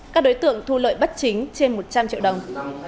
các đối tượng thu lợi bất chính trên một trăm linh triệu đồng